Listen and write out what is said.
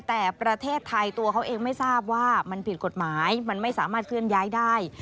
แต่ประเทศไทยตัวเขาเองไม่ทราบว่ามันผิดกฎหมายมันไม่สามารถเคลื่อนย้ายได้